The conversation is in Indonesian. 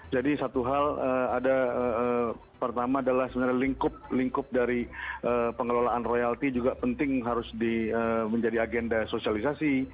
jadi satu hal ada pertama adalah sebenarnya lingkup lingkup dari pengelolaan royalti juga penting harus menjadi agenda sosialisasi